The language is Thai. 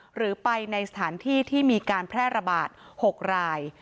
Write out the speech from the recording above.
หรือไปในสถานที่ที่มีการแพร่ระบาด๖ราย